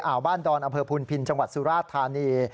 อ่าวบ้านดอนอำเภอพูนพินจังหวัดสุราธารณีย์